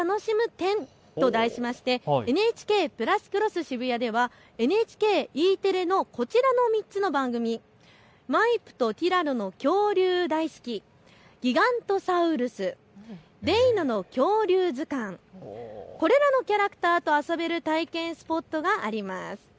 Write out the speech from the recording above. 展と題しましてＮＨＫプラスクロスＳＨＩＢＵＹＡではＮＨＫＥテレのこちらの３つの番組、マイプとティラノの恐竜ダイすき、ギガントサウルス、デイナの恐竜図鑑、これらのキャラクターと遊べる体験スポットがあります。